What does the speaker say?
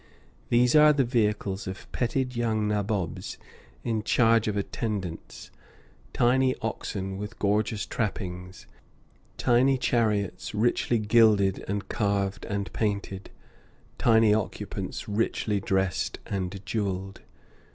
These are the vehicles of petted young nabobs in charge of attendants: tiny oxen with gorgeous trappings, tiny chariots richly gilded and carved and painted, tiny occupants richly dressed and jewelled.